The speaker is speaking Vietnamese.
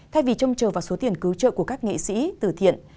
thay vì trông chờ vào số tiền cứu trợ của các nghệ sĩ tử thiện